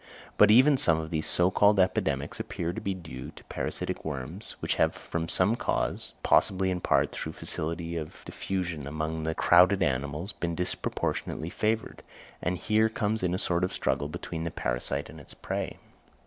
But even some of these so called epidemics appear to be due to parasitic worms, which have from some cause, possibly in part through facility of diffusion among the crowded animals, been disproportionally favoured: and here comes in a sort of struggle between the parasite and its prey.